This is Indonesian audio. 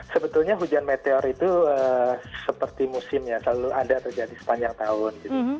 sebetulnya hujan meteor itu seperti musim ya selalu ada terjadi sepanjang tahun